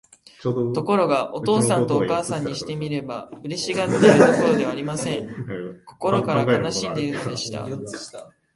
ところが、お父さんとお母さんにしてみれば、嬉しがっているどころではありません。心から悲しんでいるのでした。